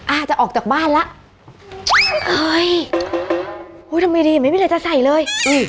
อาจจะออกจากบ้านแล้วเฮ้ยอุ้ยทำไมดีไม่มีใครจะใส่เลย